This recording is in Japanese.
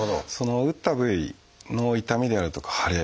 打った部位の痛みであるとか腫れ。